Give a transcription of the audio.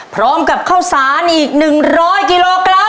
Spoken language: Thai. พร้อมกับข้าวสารอีก๑๐๐กิโลกรัม